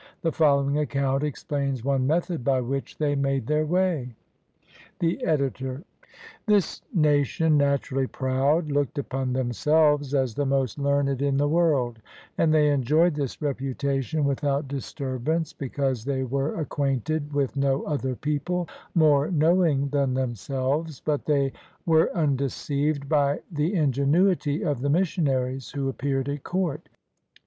The following account explains one method by which they made their way. The Editor.] Tms nation, naturally proud, looked upon themselves as the most learned in the world, and they enjoyed this reputation without disturbance because they were ac quainted with no other people more knowing than them selves; but they were undeceived by the ingenuity of the missionaries who appeared at court.